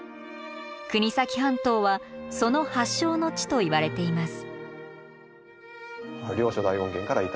国東半島はその発祥の地といわれています。